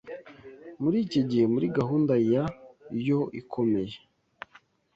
Muri iki gihe, muri gahunda ya Yo ikomeye